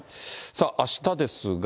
さあ、あしたですが。